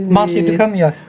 mars itu kan ya